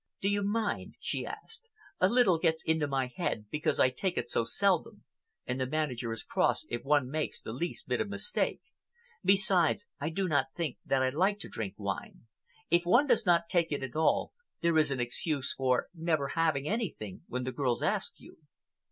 "Do you mind?" she asked. "A very little gets into my head because I take it so seldom, and the manager is cross if one makes the least bit of a mistake. Besides, I do not think that I like to drink wine. If one does not take it at all, there is an excuse for never having anything when the girls ask you."